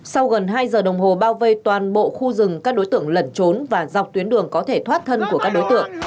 sau gần hai giờ đồng hồ bao vây toàn bộ khu rừng các đối tượng lẩn trốn và dọc tuyến đường có thể thoát thân của các đối tượng